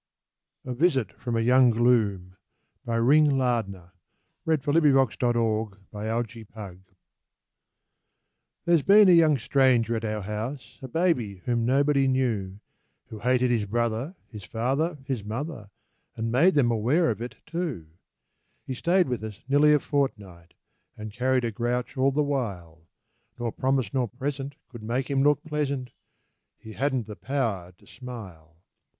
n the floor is the Reason Why. A VISIT FROM YOUNG GLOOM There's been a young stranger at our house, A baby whom nobody knew; Who hated his brother, his father, his mother, And made them aware of it, too. He stayed with us nearly a fortnight And carried a grouch all the while, Nor promise nor present could make him look pleasant; He hadn't the power to smile.